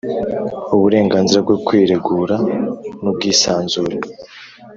Uburenganzira bwo kwiregura n’ubwisanzure